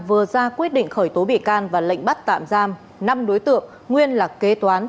vừa ra quyết định khởi tố bị can và lệnh bắt tạm giam năm đối tượng nguyên là kế toán